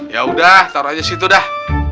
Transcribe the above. yaudah taruh aja situ dah